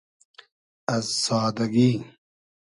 از سادئگی